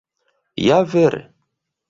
Ja vere?